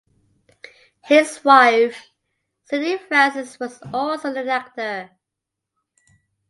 His wife, Sidney Frances was also an actor.